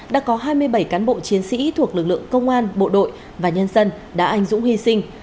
đã có hai mươi bảy cán bộ chiến sĩ thuộc lực lượng công an bộ đội và nhân dân đã anh dũng hy sinh